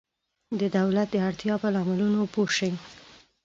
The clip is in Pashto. د دولت د اړتیا په لاملونو پوه شئ.